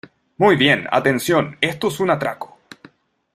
¡ Muy bien, atención , esto es un atraco!